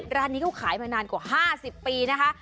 ร้านนี้เขาขายมานานกว่า๕๐ปีนะคะ